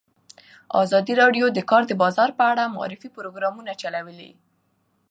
ازادي راډیو د د کار بازار په اړه د معارفې پروګرامونه چلولي.